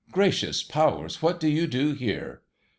' Gracious powers, what do you do here